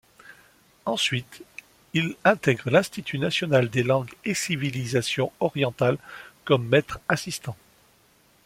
Ensuite, il intègre l'Institut national des langues et civilisations orientales comme maître-assistant.